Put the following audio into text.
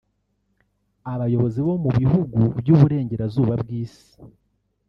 abayobozi bo mu bihugu by’uburengerazuba bw’isi